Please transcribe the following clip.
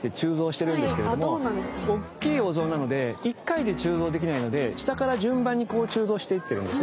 大きいお像なので一回で鋳造できないので下から順番に鋳造していっているんですね。